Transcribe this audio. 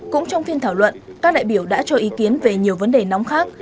cũng trong phiên thảo luận các đại biểu đã cho ý kiến về nhiều vấn đề nóng khác